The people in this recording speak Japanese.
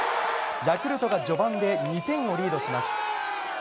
ヤクルトが序盤で２点をリードします。